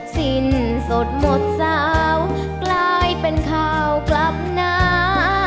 สิ้นสดหมดสาวกลายเป็นข่าวกลับหนา